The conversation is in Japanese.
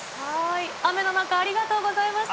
雨の中、ありがとうございました。